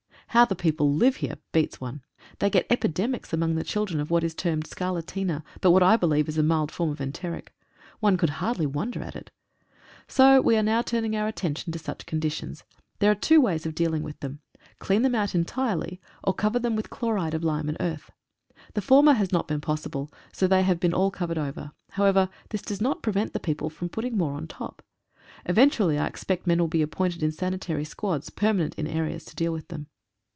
How the people live here baats one. They get epidemics among the children of what is termed scarletina, but what I believe is a mild form of enteric. One could hardly wonder at it. So we are now turning our attention to such conditions. There are two ways of dealing with them — clean them out en tirely, or cover them with chloride of lime and earth. The former has not been possible, so they have been all covered over. However, this does not prevent the people from putting more on top. Eventually I expect men will be appointed in sanitary squads, permanent in areas, to deal with them.